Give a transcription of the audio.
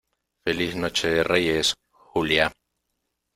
feliz noche de Reyes, Julia.